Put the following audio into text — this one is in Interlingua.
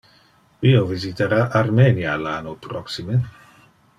Io visitara Armenia le anno proxime.